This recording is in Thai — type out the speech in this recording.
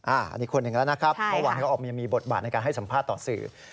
อันนี้คนหนึ่งแล้วนะครับเมื่อวานเขาออกมามีบทบาทในการให้สัมภาษณ์ต่อสื่อ